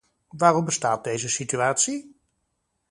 Waarom bestaat deze situatie?